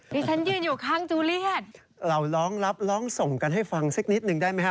ดิฉันยืนอยู่ข้างจูเลียนเราร้องรับร้องส่งกันให้ฟังสักนิดหนึ่งได้ไหมฮะ